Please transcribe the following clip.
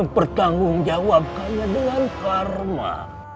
yang bertanggung jawabkannya dengan karma